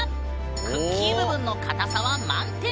クッキー部分の硬さは満点！